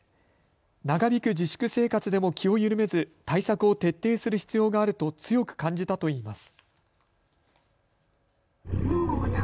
長引く自粛生活でも気を緩めず、対策を徹底する必要があると強く感じたといいます。